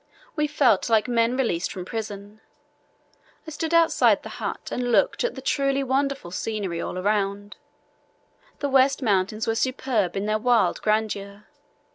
We felt like men released from prison. I stood outside the hut and looked at the truly wonderful scenery all round. The West Mountains were superb in their wild grandeur.